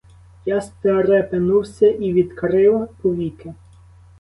Я стрепенувся і відкрив повіки.